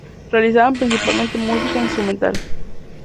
Realizaban principalmente música instrumental.